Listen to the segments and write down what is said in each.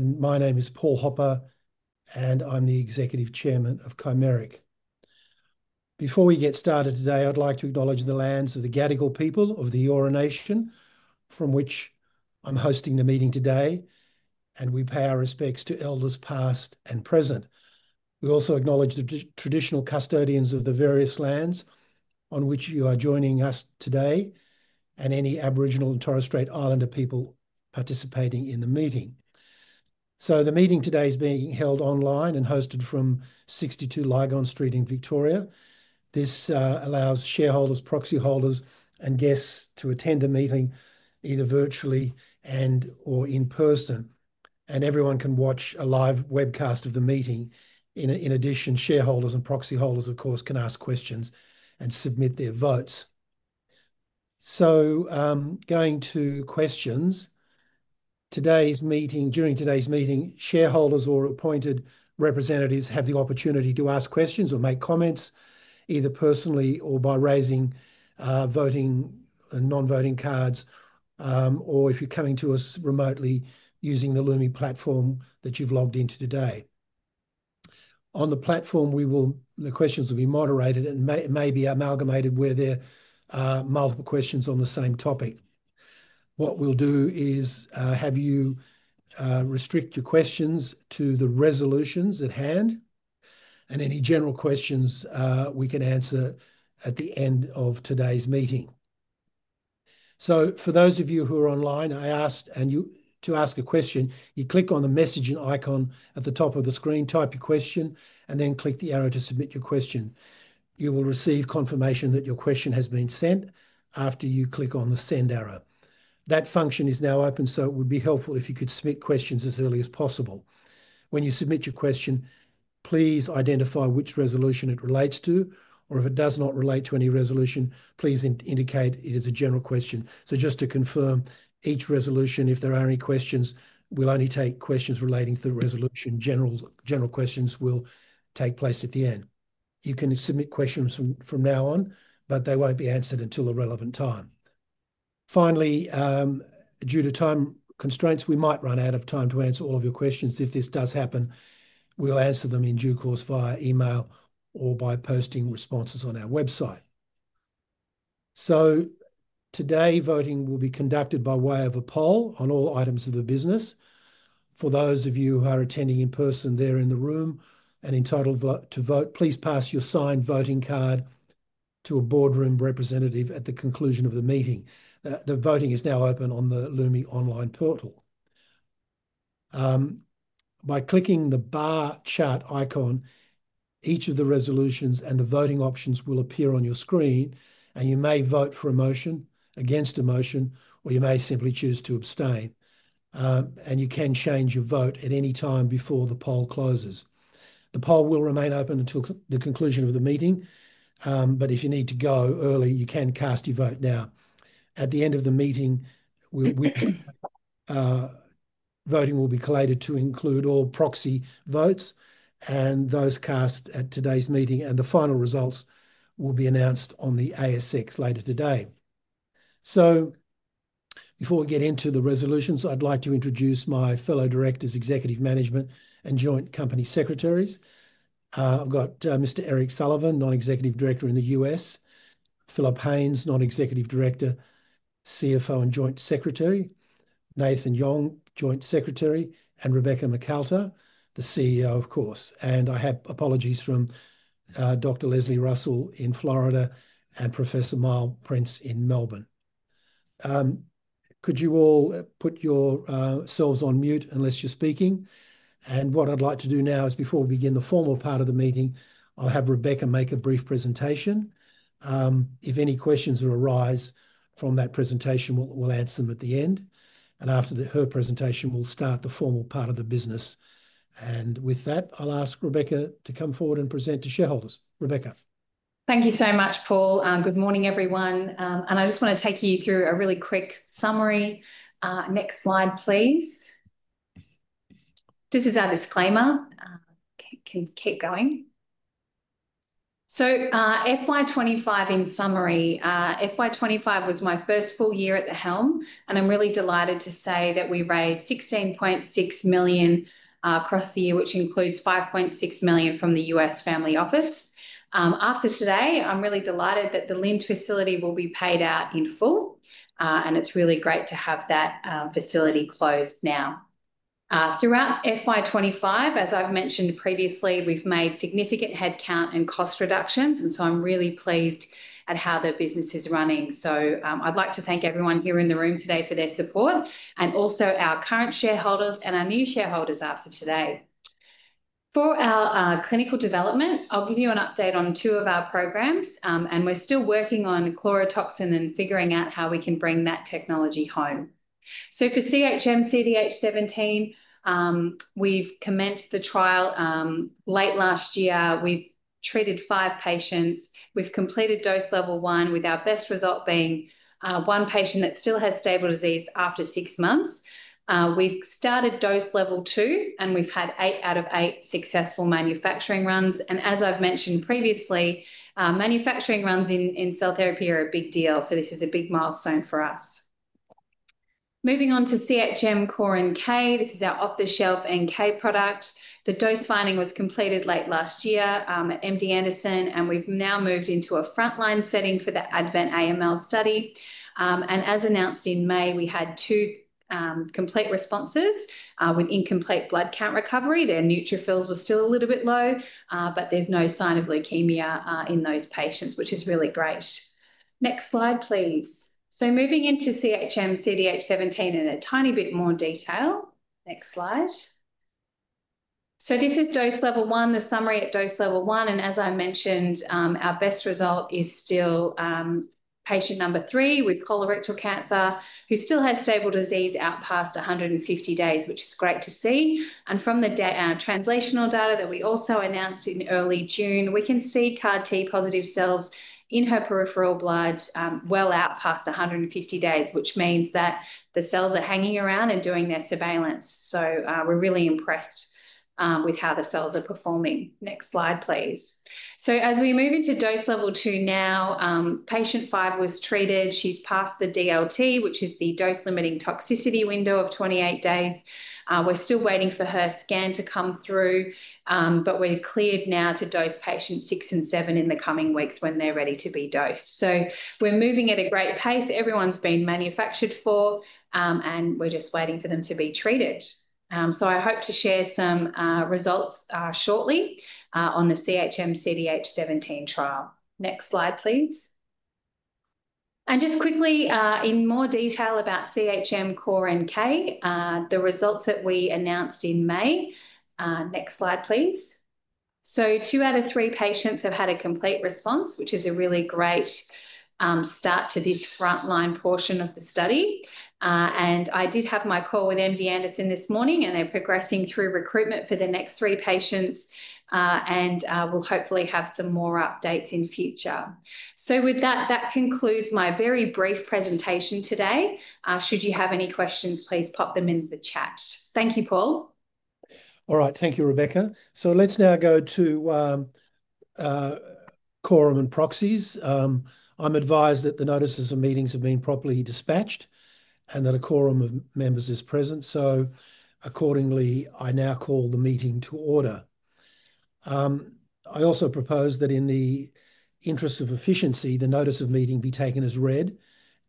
My name is Paul Hopper, and I'm the Executive Chairman of Chimeric Therapeutics. Before we get started today, I'd like to acknowledge the lands of the Gadigal people of the Eora Nation, from which I'm hosting the meeting today, and we pay our respects to elders past and present. We also acknowledge the traditional custodians of the various lands on which you are joining us today, and any Aboriginal and Torres Strait Islander people participating in the meeting. The meeting today is being held online and hosted from 62 Lygon Street in Victoria. This allows shareholders, proxy holders, and guests to attend the meeting either virtually and/or in person, and everyone can watch a live webcast of the meeting. In addition, shareholders and proxy holders, of course, can ask questions and submit their vote Going to questions, during today's meeting, shareholders or appointed representatives have the opportunity to ask questions or make comments, either personally or by raising voting and non-voting cards, or if you're coming to us remotely using the Lumi platform that you've logged into today. On the platform, the questions will be moderated and may be amalgamated where there are multiple questions on the same topic. What we'll do is have you restrict your questions to the resolutions at hand, and any general questions we can answer at the end of today's meeting. For those of you who are online, to ask a question, you click on the messaging icon at the top of the screen, type your question, and then click the arrow to submit your question. You will receive confirmation that your question has been sent after you click on the send arrow. That function is now open, so it would be helpful if you could submit questions as early as possible. When you submit your question, please identify which resolution it relates to, or if it does not relate to any resolution, please indicate it is a general question. Just to confirm, each resolution, if there are any questions, will only take questions relating to the resolution. General questions will take place at the end. You can submit questions from now on, but they won't be answered until a relevant time. Finally, due to time constraints, we might run out of time to answer all of your questions. If this does happen, we'll answer them in due course via email or by posting responses on our website. Today voting will be conducted by way of a poll on all items of the business. For those of you who are attending in person, they're in the room and entitled to vote. Please pass your signed voting card to a boardroom representative at the conclusion of the meeting. The voting is now open on the Lumi online portal. By clicking the bar chat icon, each of the resolutions and the voting options will appear on your screen, and you may vote for a motion, against a motion, or you may simply choose to abstain, and you can change your vote at any time before the poll closes. The poll will remain open until the conclusion of the meeting. If you need to go early, you can cast your vote now. At the end of the meeting, voting will be collated to include all proxy votes and those cast at today's meeting, and the final results will be announced on the ASX later today. Before we get into the resolutions, I'd like to introduce my fellow Directors, Executive Management, and Joint Company Secretaries. I've got Mr. Eric Sullivan, Non-Executive Director in the U.S., Philip Hains, Non-Executive Director, CFO and Joint Secretary, Nathan Young, Joint Secretary, and Rebecca McQualter, the CEO, of course. I have apologies from Dr. Leslie Russell in Florida and Professor Miles Prince in Melbourne. Could you all put yourselves on mute unless you're speaking? What I'd like to do now is, before we begin the formal part of the meeting, I'll have Rebecca make a brief presentation. If any questions arise from that presentation, we'll add some at the end. After her presentation, we'll start the formal part of the business. With that, I'll ask Rebecca to come forward and present to shareholders. Rebecca. Thank you so much, Paul. Good morning, everyone. I just want to take you through a really quick summary. Next slide, please. This is our disclaimer. Can you keep going FY 2025 in summary FY 2025 was my first full year at the helm, and I'm really delighted to say that we raised 16.6 million across the year, which includes 5.6 million from the U.S. Family Office. After today, I'm really delighted that the Lynde facility will be paid out in full, and it's really great to have that facility closed now. Throughout FY 2025, as I've mentioned previously, we've made significant headcount and cost reductions, and I'm really pleased at how the business is running. I'd like to thank everyone here in the room today for their support, and also our current shareholders and our new shareholders after today. For our clinical development, I'll give you an update on two of our programs, and we're still working on chlorotoxin and figuring out how we can bring that technology home. For CHM CDH17, we've commenced the trial late last year. We've treated five patients. We've completed dose level one with our best result being one patient that still has stable disease after six months. We've started dose level two, and we've had eight out of eight successful manufacturing runs. As I've mentioned previously, manufacturing runs in cell therapy are a big deal. This is a big milestone for us. Moving on to CHM Core NK. This is our off-the-shelf NK product. The dose finding was completed late last year at MD Anderson Cancer Center, and we've now moved into a frontline setting for the advent AML study. As announced in May, we had two complete responses with incomplete blood count recovery. The neutrophils were still a little bit low, but there's no sign of leukemia in those patients, which is really great. Next slide, please. Moving into CHM CDH17 in a tiny bit more detail. Next slide. This is dose level one, the summary at dose level one. As I mentioned, our best result is still patient number three with colorectal cancer, who still has stable disease out past 150 days, which is great to see. From the translational data that we also announced in early June, we can see CAR T positive cells in her peripheral blood well out past 150 days, which means that the cells are hanging around and doing their surveillance. We're really impressed with how the cells are performing. Next slide, please. As we move into dose level two now, patient five was treated. She's passed the DLT, which is the dose-limiting toxicity window of 28 days. We're still waiting for her scan to come through, but we're cleared now to dose patient six and seven in the coming weeks when they're ready to be dosed. We're moving at a great pace. Everyone's been manufactured for, and we're just waiting for them to be treated. I hope to share some results shortly on the CHM CDH17 trial. Next slide, please. Just quickly, in more detail about CHM Core NK, the results that we announced in May. Next slide, please. Two out of three patients have had a complete response, which is a really great start to this frontline portion of the study. I did have my call with MD Anderson this morning, and they're progressing through recruitment for the next three patients, and we'll hopefully have some more updates in the future. With that, that concludes my very brief presentation today. Should you have any questions, please pop them into the chat. Thank you, Paul. All right, thank you, Rebecca. Let's now go to quorum and proxies. I'm advised that the notices of meetings have been properly dispatched and that a quorum of members is present. Accordingly, I now call the meeting to order. I also propose that in the interest of efficiency, the notice of meeting be taken as read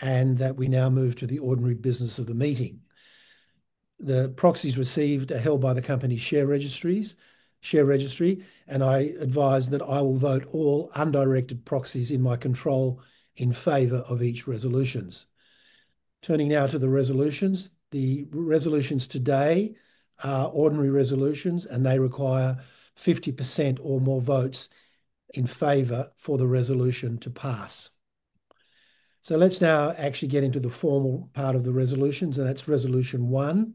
and that we now move to the ordinary business of the meeting. The proxies received are held by the company's share registry, and I advise that I will vote all undirected proxies in my control in favor of each resolution. Turning now to the resolutions, the resolutions today are ordinary resolutions, and they require 50% or more votes in favor for the resolution to pass. Let's now actually get into the formal part of the resolutions, and that's resolution one,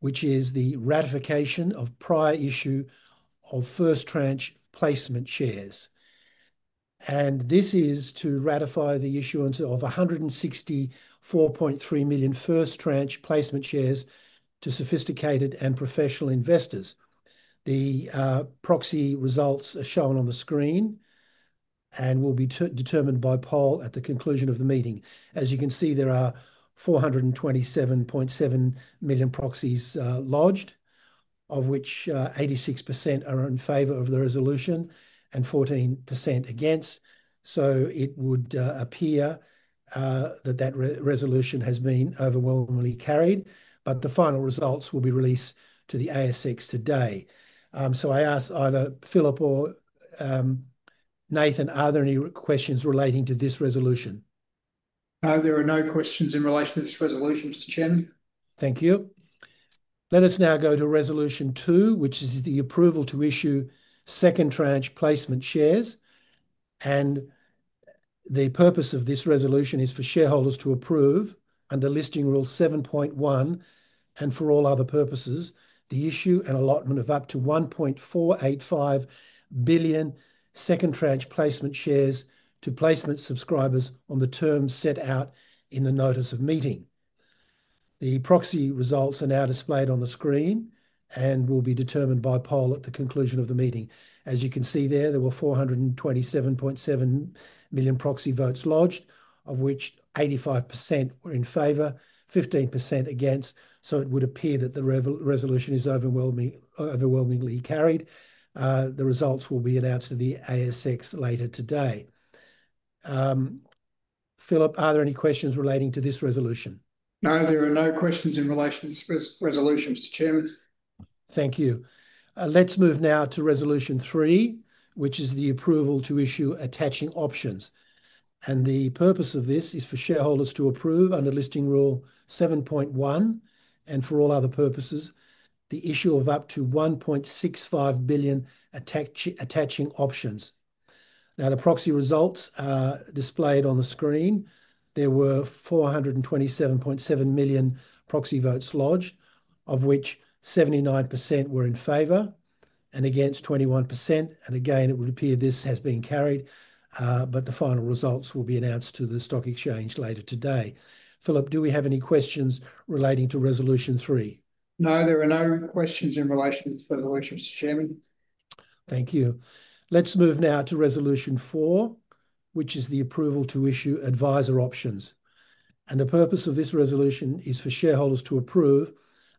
which is the ratification of prior issue of first tranche placement shares. This is to ratify the issuance of 164.3 million first tranche placement shares to sophisticated and professional investors. The proxy results are shown on the screen and will be determined by Paul at the conclusion of the meeting. As you can see, there are 427.7 million proxies lodged, of which 86% are in favor of the resolution and 14% against. It would appear that that resolution has been overwhelmingly carried, but the final results will be released to the ASX today. I ask either Philip or Nathan, are there any questions relating to this resolution? There are no questions in relation to this resolution, Mr. Chin. Thank you. Let us now go to resolution two, which is the approval to issue second tranche placement shares. The purpose of this resolution is for shareholders to approve under Listing Rule 7.1 and for all other purposes, the issue and allotment of up to 1.485 billion second tranche placement shares to placement subscribers on the terms set out in the notice of meeting. The proxy results are now displayed on the screen and will be determined by Paul at the conclusion of the meeting. As you can see there, there were 427.7 million proxy votes lodged, of which 85% were in favor, 15% against. It would appear that the resolution is overwhelmingly carried. The results will be announced to the ASX later today. Philip, are there any questions relating to this resolution? No, there are no questions in relation to resolutions to Chairman. Thank you. Let's move now to resolution three, which is the approval to issue attaching options. The purpose of this is for shareholders to approve under Listing Rule 7.1 and for all other purposes, the issue of up to 1.65 billion attaching options. The proxy results are displayed on the screen. There were 427.7 million proxy votes lodged, of which 79% were in favor and 21% against. It would appear this has been carried, but the final results will be announced to the stock exchange later today. Philip, do we have any questions relating to resolution three? No, there are no questions in relation to resolutions, Chairman. Thank you. Let's move now to resolution four, which is the approval to issue advisor options. The purpose of this resolution is for shareholders to approve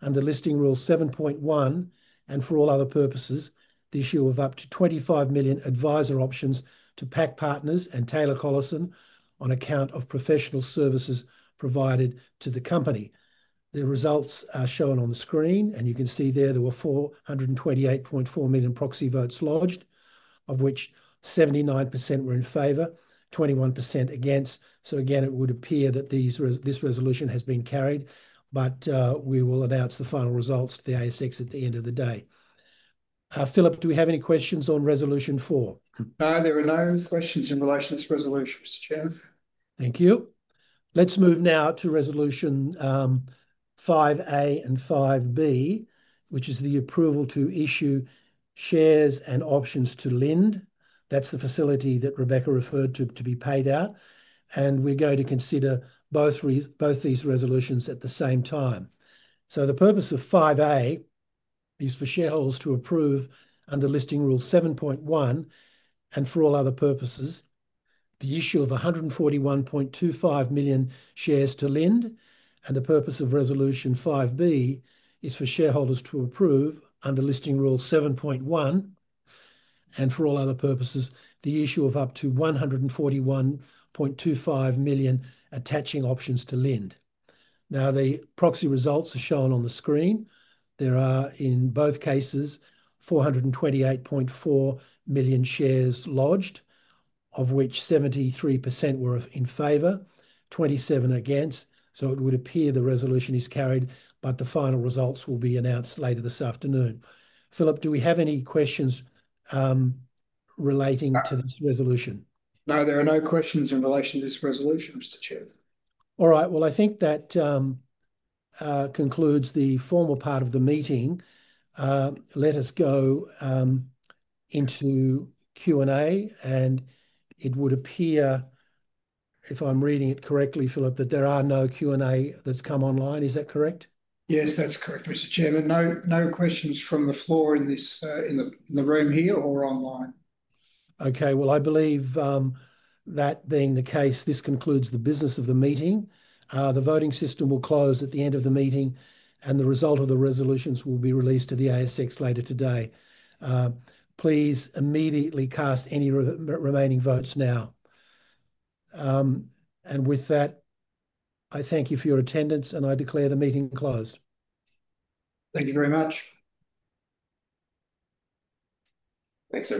under Listing Rule 7.1 and for all other purposes, the issue of up to 25 million advisor options to PAC Partners and Taylor Collison on account of professional services provided to the company. The results are shown on the screen, and you can see there were 428.4 million proxy votes lodged, of which 79% were in favor, 21% against. It would appear that this resolution has been carried, but we will announce the final results to the ASX at the end of the day. Philip, do we have any questions on resolution four? No, there are no questions in relation to resolutions, Chair. Thank you. Let's move now to resolution 5A and 5B, which is the approval to issue shares and options to Lynde. That's the facility that Rebecca referred to be paid out. We're going to consider both these resolutions at the same time. The purpose of 5A is for shareholders to approve under Listing Rule 7.1 and for all other purposes, the issue of 141.25 million shares to Lynde. The purpose of resolution 5B is for shareholders to approve under Listing Rule 7.1 and for all other purposes, the issue of up to 141.25 million attaching options to Lynde. The proxy results are shown on the screen. There are, in both cases, 428.4 million shares lodged, of which 73% were in favor, 27% against. It would appear the resolution is carried, but the final results will be announced later this afternoon. Philip, do we have any questions relating to this resolution? No, there are no questions in relation to this resolution, Mr. Chair. All right, I think that concludes the formal part of the meeting. Let us go into Q&A, and it would appear, if I'm reading it correctly, Philip, that there are no Q&A that's come online. Is that correct? Yes, that's correct, Mr. Chair. No, no questions from the floor in the room here or online. Okay, I believe that being the case, this concludes the business of the meeting. The voting system will close at the end of the meeting, and the result of the resolutions will be released to the ASX later today. Please immediately cast any remaining votes now. I thank you for your attendance, and I declare the meeting closed. Thank you very much. Thanks.